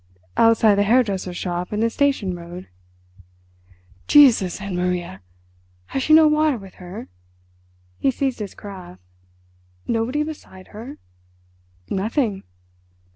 "Outside the hairdresser's shop in the Station Road." "Jesus and Maria! Has she no water with her?"—he seized his carafe—"nobody beside her?" "Nothing."